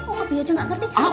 okb aja gak ngerti